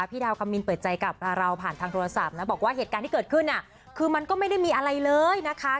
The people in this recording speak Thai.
พี่ดาวคำมินเปิดใจกับเราผ่านทางโทรศัพท์นะบอกว่าเหตุการณ์ที่เกิดขึ้นคือมันก็ไม่ได้มีอะไรเลยนะคะ